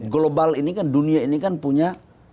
global ini kan dunia ini kan punya